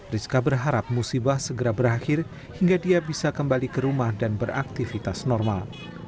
rizka berharap musibah segera berakhir hingga dia bisa kembali ke rumah dan beraktivitas normal